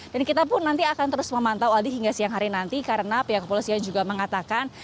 dan kita pun nanti akan terus memantau aldi hingga siang hari nanti karena pihak kepolisian juga mengatakan